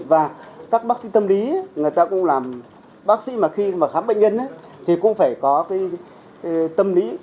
và các bác sĩ tâm lý người ta cũng làm bác sĩ mà khi mà khám bệnh nhân thì cũng phải có cái tâm lý